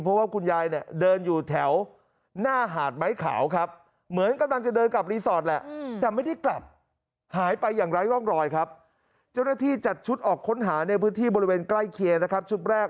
เพราะว่าคุณยายเนี่ยเดินอยู่แถวหน้าหาดไม้เขาครับเหมือนกำลังจะเดินกลับรีสอร์ทแหละ